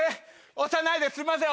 押さないですいません